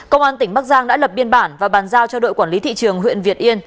công an tỉnh bắc giang đã lập biên bản và bàn giao cho đội quản lý thị trường huyện việt yên